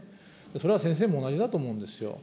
それは先生も同じだと思うんですよ。